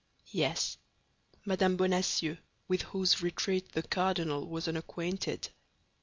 "Yes; Madame Bonacieux, with whose retreat the cardinal was unacquainted."